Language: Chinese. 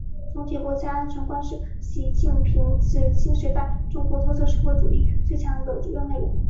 总体国家安全观是习近平新时代中国特色社会主义思想的重要内容